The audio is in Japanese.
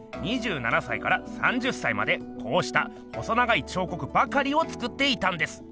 ２７歳から３０歳までこうした細長い彫刻ばかりを作っていたんです。